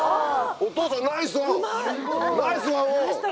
お父さんナイスオン！